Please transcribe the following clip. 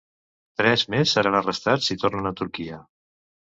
Tres més seran arrestats si tornen a Turquia.